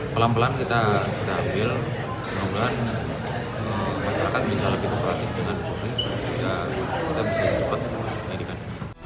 pelan pelan kita ambil semoga masyarakat bisa lebih terperhatikan kita bisa cepat menjadikan